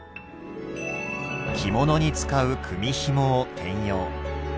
着物に使う組みひもを転用。